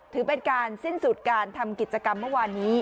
ถือเป็นการสิ้นสุดการทำกิจกรรมเมื่อวานนี้